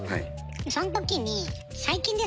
その時に。